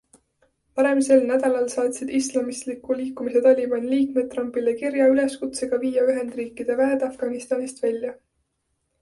Varem sel nädalal saatsid islamistliku liikumise Taliban liikmed Trumpile kirja üleskutsega viia Ühendriikide väed Afganistanist välja.